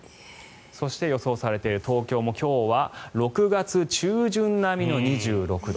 そして、予想されている東京も今日は６月中旬並みの２６度。